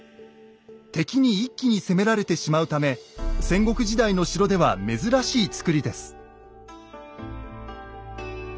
敵に一気に攻められてしまうため戦国時代の城では珍しい造りです。